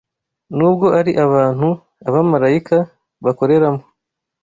nubwo ari abantu abamarayika bakoreramo